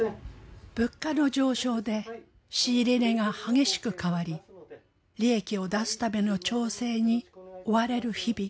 物価の上昇で仕入れ値が激しく変わり利益を出すための調整に追われる日々。